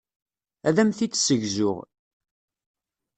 Ad am-t-id-ssegzuɣ.